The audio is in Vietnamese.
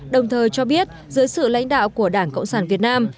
đồng thời cho biết dưới sự lãnh đạo của đảng cộng sản việt nam